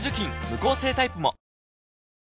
無香性タイプも！